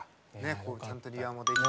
ここでちゃんとリハもできて。